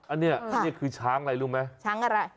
อันนี้นี่คือช้างอะไรรู้ไหมช้างอะไร